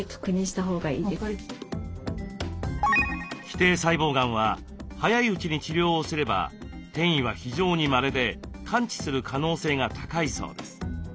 基底細胞がんは早いうちに治療をすれば転移は非常にまれで完治する可能性が高いそうです。